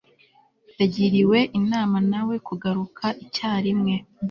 yagiriwe inama na we kugaruka icyarimwe